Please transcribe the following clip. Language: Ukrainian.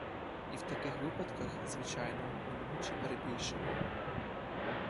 І в таких випадках, звичайно, неминучі перебільшення.